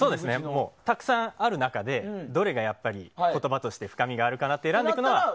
たくさんある中でどれが言葉として深みがあるかと選んでいくのは。